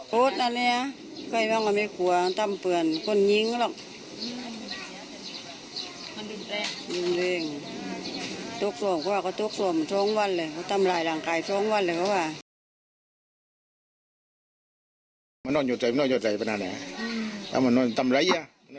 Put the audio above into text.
ก็ทำลายต้องกลับทางเพื่องานนำของเดี๋ยว